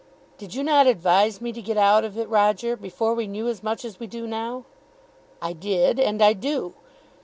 "Did you not advise me to get out of it, Roger; before we knew as much as we do now?" "I did, and I do.